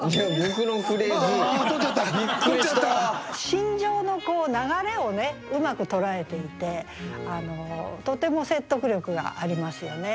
心情の流れをうまく捉えていてとても説得力がありますよね。